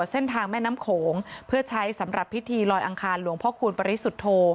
เส้นทางแม่น้ำโขงเพื่อใช้สำหรับพิธีลอยอังคารหลวงพ่อคูณปริสุทธโธ